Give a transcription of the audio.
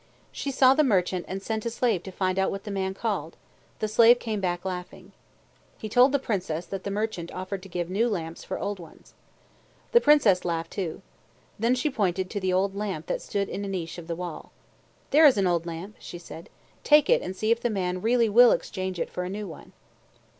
She saw the merchant and sent a slave to find out what the man called. The slave came back laughing. He told the Princess that the merchant offered to give new lamps for old ones. The Princess laughed, too. Then she pointed to the old lamp that stood in a niche of the wall. "There is an old lamp," she said. "Take it and see if the man really will exchange it for a new one."